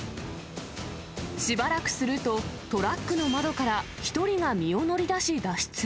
しばらくすると、トラックの窓から１人が身を乗り出し脱出。